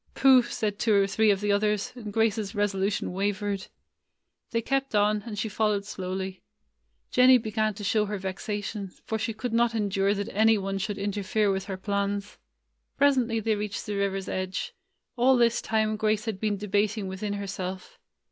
"Pooh!" said two or three of the others, and Grace's resolution wavered. They kept on, and she followed slowly. Jennie began to show her vexation, for she could not endure that any one should interfere with her plans. Presently they reached the river's edge. All this time Grace had been debating within her self.